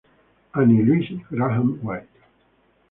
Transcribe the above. Annie Louise Grahame White.